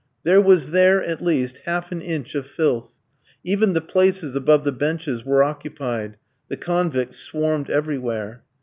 There was there, at least, half an inch of filth; even the places above the benches were occupied, the convicts swarmed everywhere.